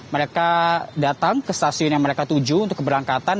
mereka datang ke stasiun yang mereka tuju untuk keberangkatan